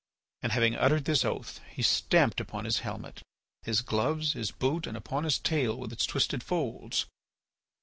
And having uttered this oath he stamped upon his helmet, his gloves, his boots, and upon his tail with its twisted folds.